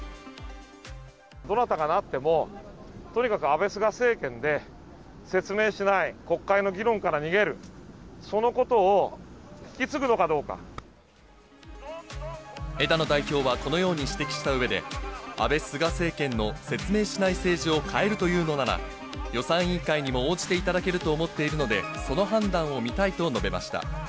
どなたがなっても、とにかく安倍・菅政権で説明しない、国会の議論から逃げる、枝野代表はこのように指摘したうえで、安倍・菅政権の説明しない政治を変えるというのなら、予算委員会にも応じていただけると思っているので、その判断を見たいと述べました。